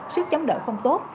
sức chống đỡ không tốt